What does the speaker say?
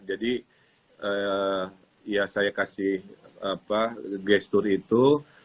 jadi ya saya kasih apa gestur itu